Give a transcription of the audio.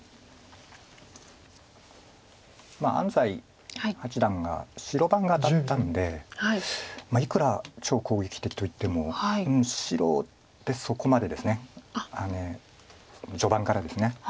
安斎八段が白番が当たったのでいくら超攻撃的といっても白でそこまでですね序盤からですね。